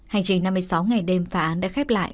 hành trình năm mươi sáu ngày đêm phá án đã khép lại